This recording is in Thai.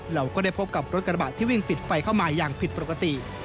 เราก็ได้พบกับรถกระบะที่วิ่งปิดไฟเข้ามาอย่างผิดปกติ